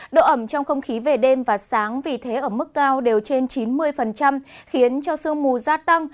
độ ẩm trong không khí về đêm và sáng vì thế ở mức cao đều trên chín mươi khiến cho sương mù gia tăng